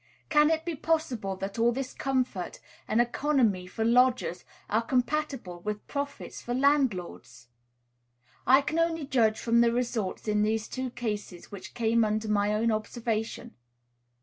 Can it be possible that all this comfort and economy for lodgers are compatible with profits for landlords? I can judge only from the results in these two cases which came under my own observation.